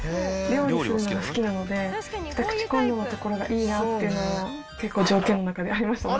料理するのが好きなので２口コンロの所がいいなっていうのは結構条件の中でありました。